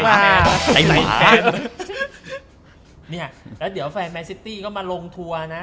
เนี่ยแล้วเดี๋ยวแฟนแมนซิตี้ก็มาลงทัวร์นะ